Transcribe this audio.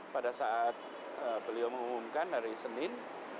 pada saat beliau mengumumkan hari senin